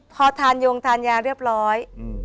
พอทานยงทานยาเรียบร้อย